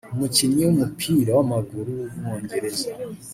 umukinnyi w’umupira w’amaguru w’umwongereza